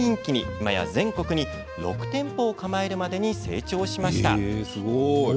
今や、全国に６店舗を構えるまでに成長しました。